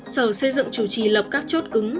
sở xây dựng chủ trì lập các chốt cứng